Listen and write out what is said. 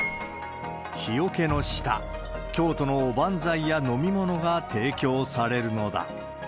日よけの下、京都のおばんざいや飲み物が提供されるのだ。